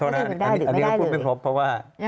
อันนี้ก็พูดไม่พบเพราะว่า